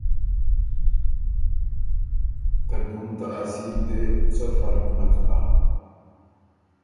ته ډُم ته اصیل دې څه فرق نک هۀ“